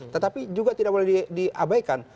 tetapi juga tidak boleh diabaikan